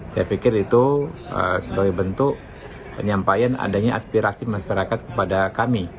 saya pikir itu sebagai bentuk penyampaian adanya aspirasi masyarakat kepada kami